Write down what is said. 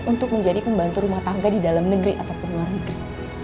untuk menjadi pembantu rumah tangga di dalam negeri ataupun luar negeri